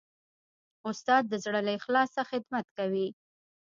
استاد د زړه له اخلاصه خدمت کوي.